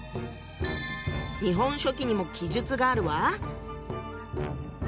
「日本書紀」にも記述があるわ。